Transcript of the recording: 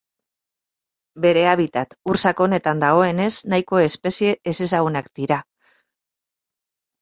Bere habitat ur sakonetan dagoenez, nahiko espezie ezezagunak dira.